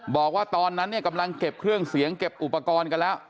บอกว่าตอนนั้นเนี่ยกำลังเก็บเครื่องเสียงเก็บอุปกรณ์กันแล้ว